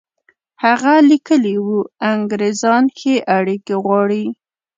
هغه لیکلي وو انګرېزان ښې اړیکې غواړي.